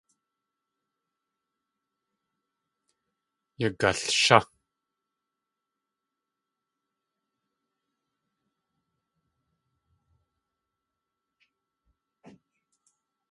Yagalshá!